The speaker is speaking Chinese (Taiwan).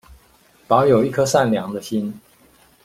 保有一顆善良的心